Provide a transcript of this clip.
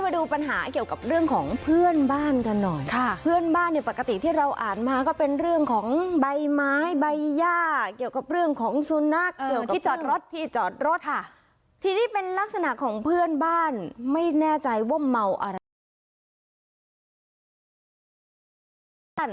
มาดูปัญหาเกี่ยวกับเรื่องของเพื่อนบ้านกันหน่อยค่ะเพื่อนบ้านเนี่ยปกติที่เราอ่านมาก็เป็นเรื่องของใบไม้ใบย่าเกี่ยวกับเรื่องของสุนัขเกี่ยวที่จอดรถที่จอดรถค่ะทีนี้เป็นลักษณะของเพื่อนบ้านไม่แน่ใจว่าเมาอะไรกัน